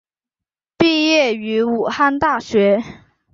毕业于武汉大学。